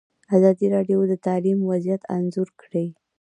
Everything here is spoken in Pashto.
ازادي راډیو د تعلیم وضعیت انځور کړی.